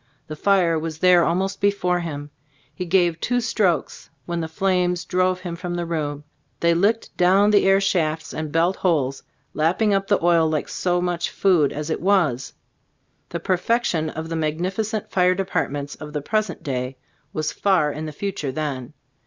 The fire was there almost be fore him. He gave two strokes, when the flames drove him from the room ; they licked down the air shafts and belt holes, lapping up the oil like so much food, as it was. Gbe Storg ot ASg CbU&boofc 107 The perfection of the magnificent fire departments of the present day was far in the future then.